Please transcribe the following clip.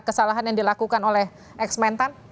ada kesalahan yang dilakukan oleh eks mentan